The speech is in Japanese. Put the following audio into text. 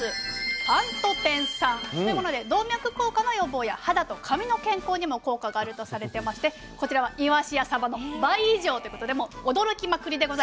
パントテン酸というもので動脈硬化の予防や肌と髪の健康にも効果があるとされてましてこちらはイワシやサバの倍以上ということでもう驚きまくりでございます魚が。